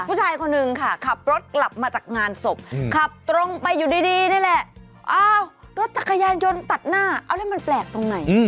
ผู้ชายคนนึงค่ะขับรถกลับมาจากงานศพขับตรงไปอยู่ดีนี่แหละอ้าวรถจักรยานยนต์ตัดหน้าเอาแล้วมันแปลกตรงไหน